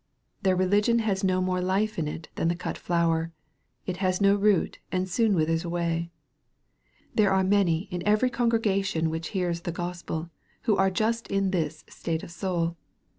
Their religion has no more life in it than the cut flower. It has no root, and soon withers away. There are many in every congregation which hears the Gospel, who are just in this state of soul.